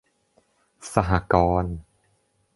สหกรณ์